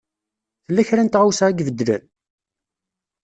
Tella kra n tɣawsa i ibeddlen?